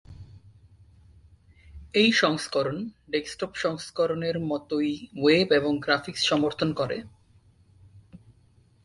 এই সংস্করণ ডেক্সটপ সংস্করণের মতই ওয়েব এবং গ্রাফিক্স সমর্থন করে।